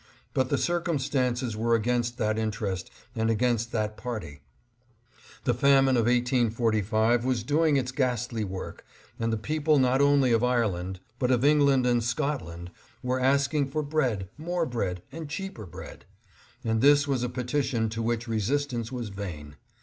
But the circumstances were against that interest and against that party. The famine of 1845 was doing its ghastly work, and the people not only of Ireland, but of England and Scotland, were ask ing for bread, more bread, and cheaper bread ; and this was a petition to which resistance was vain.